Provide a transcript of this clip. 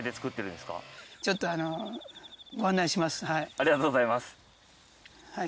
ありがとうございます。